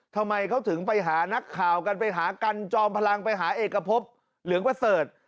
ทำไมเขาถึงไปหานักข่าวกันไปหากันจอมพลังไปหาเอกพบเหลืองประเสริฐ